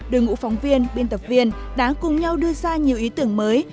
đội ngũ phóng viên biên tập viên đã cùng nhau đưa ra nhiều ý tưởng mới